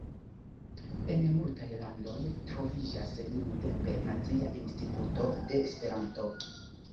En multaj landoj troviĝas nuntempe nacia instituto de Esperanto.